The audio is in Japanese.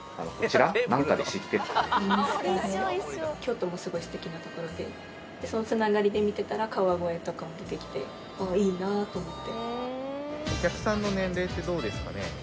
京都もすごい素敵な所ででその繋がりで見てたら川越とかも出てきてああいいなと思って。